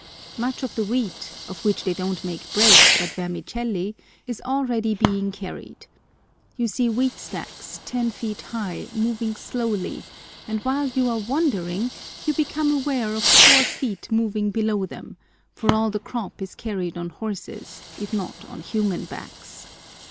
Much of the wheat, of which they don't make bread, but vermicelli, is already being carried. You see wheat stacks, ten feet high, moving slowly, and while you are wondering, you become aware of four feet moving below them; for all the crop is carried on horses' if not on human backs.